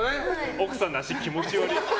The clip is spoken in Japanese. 奥さんの脚、気持ちわりい。